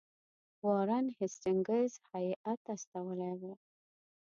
وارن هیسټینګز هیات استولی وو.